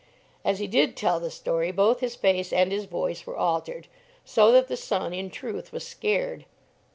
As he did tell the story, both his face and his voice were altered, so that the son, in truth, was scared.